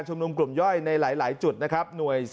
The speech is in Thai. กุมขมับเลยครับ